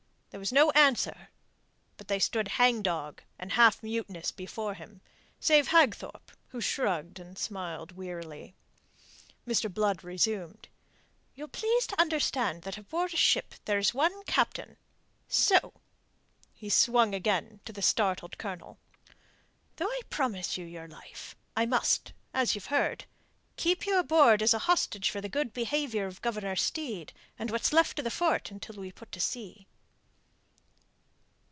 There was no answer. But they stood hang dog and half mutinous before him, save Hagthorpe, who shrugged and smiled wearily. Mr. Blood resumed: "Ye'll please to understand that aboard a ship there is one captain. So." He swung again to the startled Colonel. "Though I promise you your life, I must as you've heard keep you aboard as a hostage for the good behaviour of Governor Steed and what's left of the fort until we put to sea."